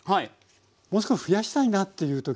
もう少し増やしたいなっていう時は。